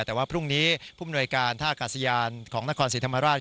แต่ว่าพรุ่งนี้ผู้มนวยการท่ากาศยานของนครศรีธรรมราช